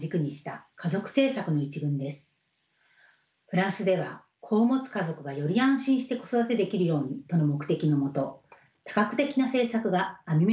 フランスでは「子を持つ家族がより安心して子育てできるように」との目的のもと多角的な政策が網目のように組まれています。